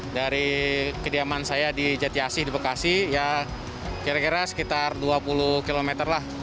dari kediaman saya di jati asih di bekasi ya kira kira sekitar dua puluh km lah